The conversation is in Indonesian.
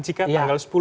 jika tanggal sepuluh